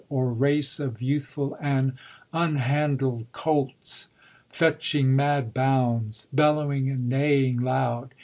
Or race of youthful and unhandled cOlts, Fetching mad bounds, bellowing and neighing loud.